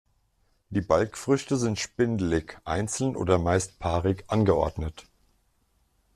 Die Balgfrüchte sind spindelig, einzeln oder meist paarig angeordnet.